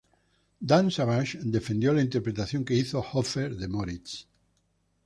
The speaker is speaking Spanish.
Dan Savage defendió la interpretación que hizo Hoffer de Moritz.